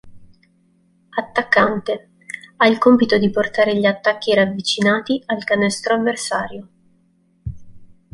Attaccante: ha il compito di portare gli attacchi ravvicinati al canestro avversario.